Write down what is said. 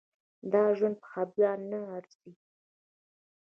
دا ژوند په خفګان نه ارزي.